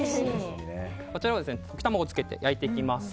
こちらに溶き卵をつけて焼いていきます。